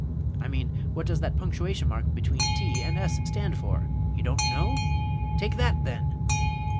I mean, what does that punctuation mark between t and s stand for? You don't know? Take that, then!